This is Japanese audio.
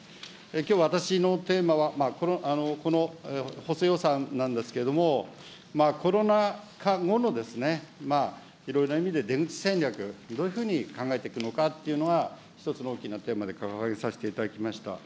きょう私のテーマは、この補正予算なんですけれども、コロナ禍後の、いろいろな意味で出口戦略、どういうふうに考えていくのかっていうのは、１つの大きなテーマに掲げさせていただきました。